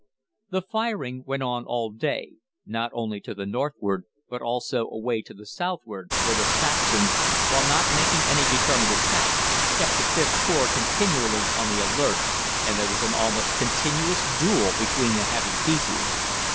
"The firing went on all day, not only to the northward, but also away to the southward, where the Saxons, while not making any determined attack, kept the Vth Corps continually on the alert, and there was an almost continuous duel between the heavy pieces.